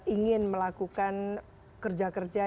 ingin melakukan kerja kerja